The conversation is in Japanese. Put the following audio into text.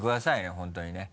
本当にね。